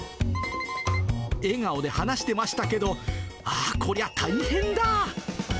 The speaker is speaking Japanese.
笑顔で話してましたけど、ああ、こりゃ大変だ。